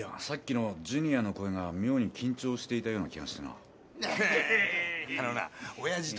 さっきのジュニアの声が妙に緊張していたような気がしてな。